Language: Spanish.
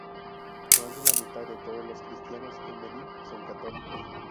Más de la mitad de todos los cristianos en Benín son católicos.